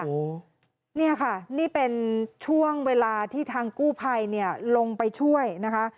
นี่ค่ะนี่เป็นช่วงเวลาที่ทางกู้ภัยลงไปช่วยนะคะ